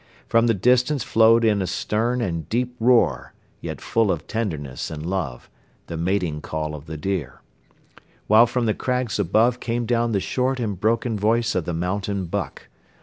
From the distance flowed in a stern and deep roar, yet full of tenderness and love, the mating call of the deer; while from the crags above came down the short and broken voice of the mountain buck.